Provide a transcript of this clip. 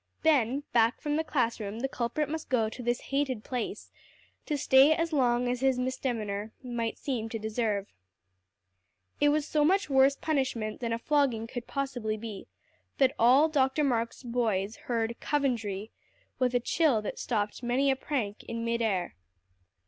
Then back from the class room the culprit must go to this hated place, to stay as long as his misdemeanor might seem to deserve. It was so much worse punishment than a flogging could possibly be, that all Dr. Marks' boys heard "Coventry" with a chill that stopped many a prank in mid air.